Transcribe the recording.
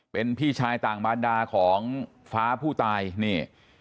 เป็นพี่ชายต่างบรรดาของฟ้าผู้ตายนี่